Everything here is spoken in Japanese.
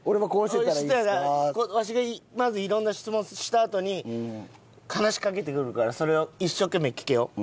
そしたらわしがまず色んな質問をしたあとに話しかけてくるからそれを一生懸命聞けよ。